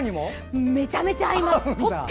めちゃめちゃ合います！